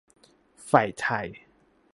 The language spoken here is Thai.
ฝ่ายไทย